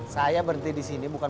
saya berhenti disini bukan